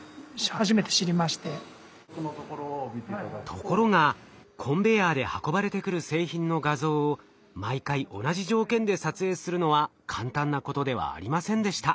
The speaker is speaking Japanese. ところがコンベヤーで運ばれてくる製品の画像を毎回同じ条件で撮影するのは簡単なことではありませんでした。